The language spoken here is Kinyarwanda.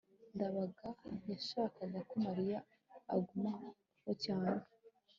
ndabaga yashakaga ko mariya agumaho cyane